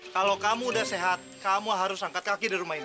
kalau kamu udah sehat kamu harus angkat kaki dari rumah ini